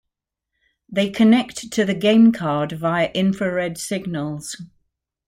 They connect to the game card via infrared signals.